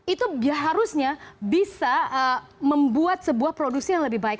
itu harusnya bisa membuat sebuah produksi yang lebih baik